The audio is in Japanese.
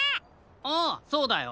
ああそうだよ！